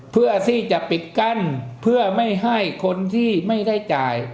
เพื่อที่จะปิดกั้นเพื่อไม่ให้คนที่ไม่ได้จ่าย